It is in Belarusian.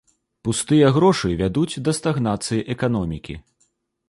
Пустыя грошы вядуць да стагнацыі эканомікі.